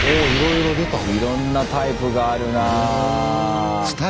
いろんなタイプがあるな。